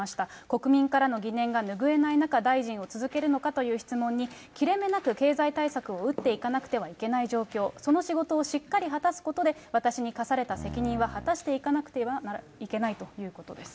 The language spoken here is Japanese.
国民からの疑念が拭えない中、大臣を続けるのかという質問に、切れ目なく経済対策を打っていかなくてはいけない状況、その仕事をしっかり果たすことで、私に課された責任は果たしていかなくてはいけないということです。